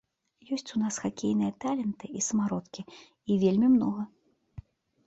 Ёсць у нас хакейныя таленты і самародкі, і вельмі многа!